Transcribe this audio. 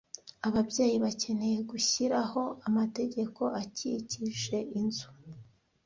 Ababyeyi bakeneye gushyiraho amategeko akikije inzu.